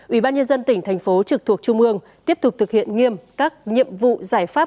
ủy ban nhân dân tỉnh thành phố trực thuộc trung ương tiếp tục thực hiện nghiêm các nhiệm vụ giải pháp